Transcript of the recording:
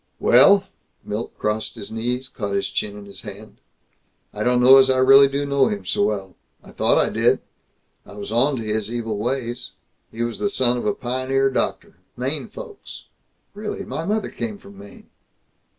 "Well," Milt crossed his knees, caught his chin in his hand, "I don't know as I really do know him so well. I thought I did. I was onto his evil ways. He was the son of the pioneer doctor, Maine folks." "Really? My mother came from Maine."